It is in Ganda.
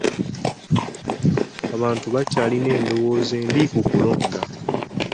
Abantu bakyalina endowooza embi ku kulonda.